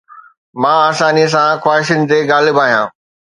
مان آساني سان خواهشن تي غالب آهيان